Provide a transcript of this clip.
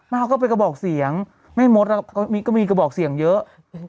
เขาก็ไปกระบอกเสียงแม่มดก็มีกระบอกเสียงเยอะ